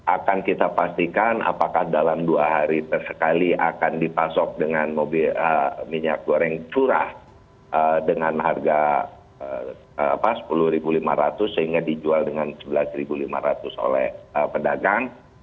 akan kita pastikan apakah dalam dua hari tersekali akan dipasok dengan mobil minyak goreng curah dengan harga rp sepuluh lima ratus sehingga dijual dengan rp sebelas lima ratus oleh pedagang